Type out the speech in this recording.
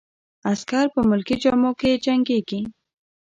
عسکر په ملکي جامو کې جنګیږي.